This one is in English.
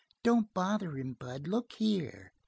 "Don't bother him, Bud. Look here!"